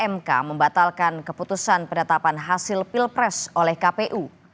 mk membatalkan keputusan penetapan hasil pilpres oleh kpu